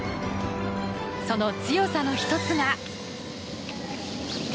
その強さの１つが。